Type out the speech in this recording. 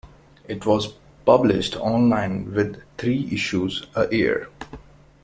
It was published online with three issues a year.